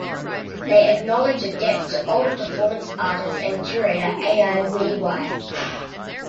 They acknowledge a debt to older performance artist and curator Ai Weiwei.